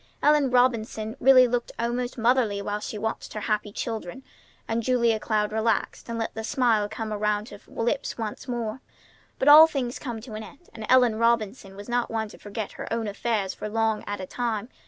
Ellen Robinson really looked almost motherly while she watched her happy children; and Julia Cloud relaxed, and let the smile come around her lips once more. But all things come to an end, and Ellen Robinson was not one to forget her own affairs for long at a time.